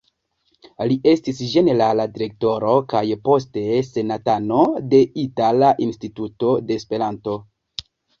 Li estis ĝenerala direktoro kaj poste senatano de Itala Instituto de Esperanto.